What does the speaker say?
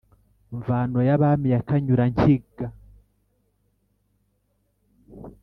mvano ya bami ya kanyura-nkiga